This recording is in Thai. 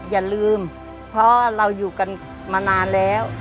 อย่าลืมเพราะเราอยู่กันมานานแล้ว